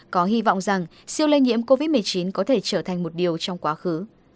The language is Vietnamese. có hy vọng rằng siêu lây nhiễm covid một mươi chín có thể trở thành một điều trong quá khứ